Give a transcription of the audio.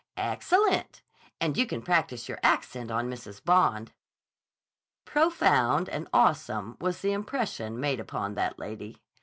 "Excellent. And you can practice your accent on Mrs. Bond." Profound and awesome was the impression made upon that lady.